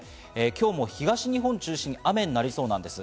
今日も東日本を中心に雨になりそうなんです。